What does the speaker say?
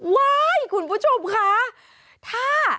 ว้ายคุณผู้ชมค่ะ